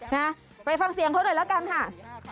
นะไปฟังเสียงเขาหน่อยแล้วกันค่ะ